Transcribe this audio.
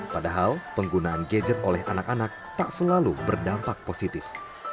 padahal penggunaan gadget oleh anak anak tak selalu berdampak positif